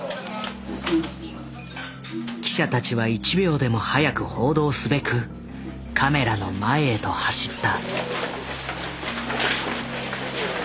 記者たちは１秒でも早く報道すべくカメラの前へと走った。